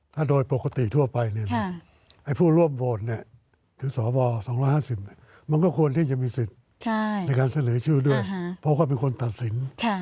ถ้าโดยปกติทั่วไปผู้ร่วมโหวตหรือสว๒๕๐มันก็ควรที่จะมีสิทธิ์ในการเสนอชื่อด้วยเพราะเขาเป็นคนตัดสิน